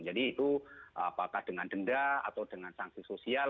jadi itu apakah dengan denda atau dengan sanksi sosial